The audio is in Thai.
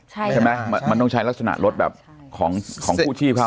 ใช่ไหมมันต้องใช้ลักษณะรถแบบของกู้ชีพเขา